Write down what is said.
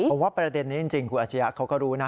ผมว่าประเด็นนี้จริงครอบครัวอาจริยะเขาก็รู้นะ